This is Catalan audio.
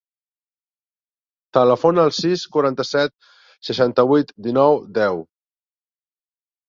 Telefona al sis, quaranta-set, seixanta-vuit, dinou, deu.